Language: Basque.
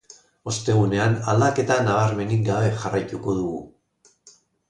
Ostegunean aldaketa nabarmenik gabe jarraituko dugu.